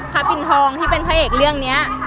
ปิ่นทองที่เป็นพระเอกเรื่องนี้